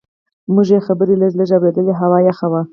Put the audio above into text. موږ یې خبرې لږ لږ اورېدلې، هوا یخه وه.